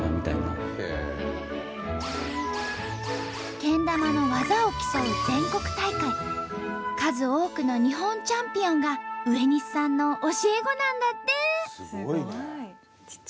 けん玉の技を競う全国大会数多くの日本チャンピオンが植西さんの教え子なんだって！